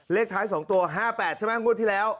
เลขท้าย๒ตัว๕๘ใช่ไหมงวดที่แล้ว